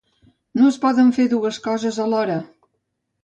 No es poden fer dues coses alhora.